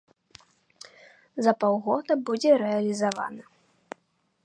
За паўгода будзе рэалізавана.